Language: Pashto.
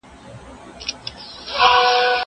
زه پاکوالي نه ساتم!